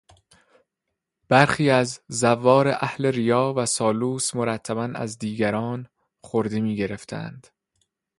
برخی از زوار اهل ریا و سالوس مرتبا از دیگران خرده میگرفتند.